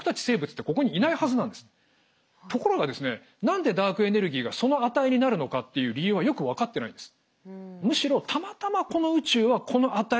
何でダークエネルギーがその値になるのかっていう理由はよく分かってないんです。